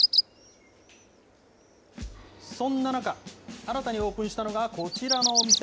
そんな中、新たにオープンしたのがこちらのお店。